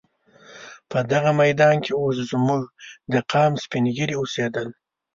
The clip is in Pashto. په دغه میدان کې اوس زموږ د قام سپین ږیري اوسېدل.